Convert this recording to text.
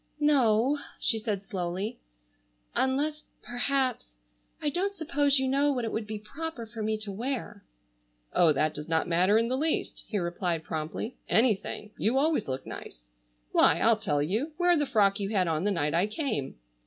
"No," she said slowly, "unless, perhaps—I don't suppose you know what it would be proper for me to wear." "Oh, that does not matter in the least," he replied promptly. "Anything. You always look nice. Why, I'll tell you, wear the frock you had on the night I came."